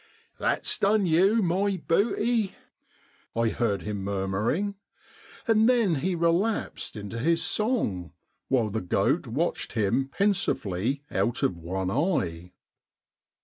" That's done you, my beauty," I heard him murmuring ; and then he relapsed into his song, while the goat watched him pen sively out of one eye.